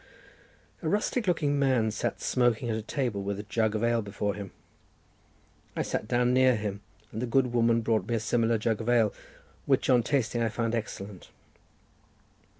A rustic looking man sat smoking at a table, with a jug of ale before him. I sat down near him, and the good woman brought me a similar jug of ale, which on tasting I found excellent.